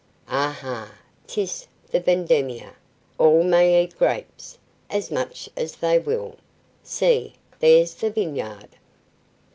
"Ah, ah! 'tis the vendemmia! all may eat grapes; as much as they will. See, there's the vineyard."